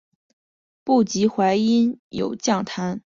不及淮阴有将坛。